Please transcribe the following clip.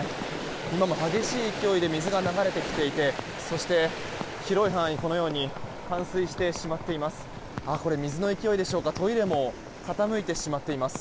今も激しい勢いで水が流れてきていてそして広い範囲、このように冠水してしまっています。